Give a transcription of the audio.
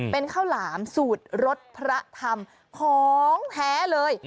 เป็นข้าวหลามสูตรรสพระธรรมของแท้เลย